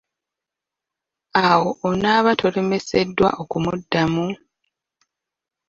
Awo onaaba tolemeseddwa okumuddamu?